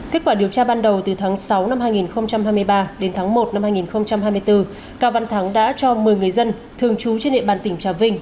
kết quả điều tra ban đầu từ tháng sáu năm hai nghìn hai mươi ba đến tháng một năm hai nghìn hai mươi bốn cao văn thắng đã cho một mươi người dân thường trú trên địa bàn tỉnh trà vinh